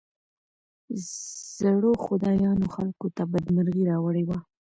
زړو خدايانو خلګو ته بدمرغي راوړې وه.